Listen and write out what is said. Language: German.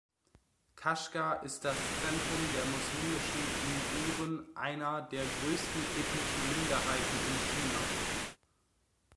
Kashgar ist das Zentrum der muslimischen Uiguren einer der größten ethnischen Minderheiten in China.